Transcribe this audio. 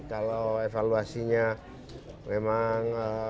kalau evaluasinya memang